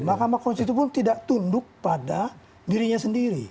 makam makam konstitusi itu pun tidak tunduk pada dirinya sendiri